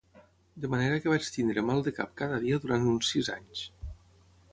De manera que vaig tenir mal de cap cada dia durant uns sis anys.